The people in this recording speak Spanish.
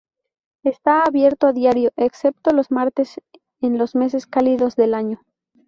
Está abierto a diario excepto los martes en los meses cálidos del año.